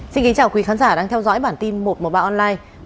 xin kính chào quý khán giả đang theo dõi bản tin một trăm một mươi ba online